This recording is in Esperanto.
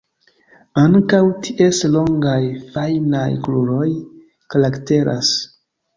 Ankaŭ ties longaj fajnaj kruroj karakteras.